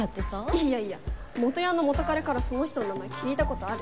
いやいや元ヤンの元彼からその人の名前聞いたことあるし。